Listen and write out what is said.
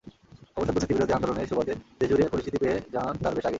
অবশ্য দুর্নীতিবিরোধী আন্দোলনের সুবাদে দেশজুড়ে পরিচিতি পেয়ে যান তার বেশ আগেই।